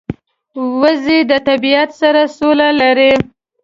وزې د طبیعت سره سوله لري